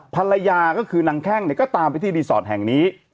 ภรรยาก็คือนางแข้งเนี่ยก็ตามไปที่รีสอร์ทแห่งนี้